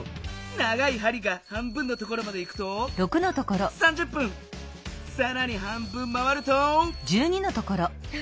長いはりが半分のところまでいくとさらに半分回ると。